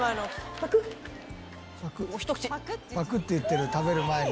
パクッて言ってる食べる前に。